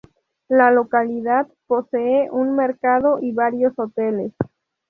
La localidad posee un mercado y varios hoteles.